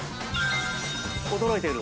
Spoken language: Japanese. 驚いてる。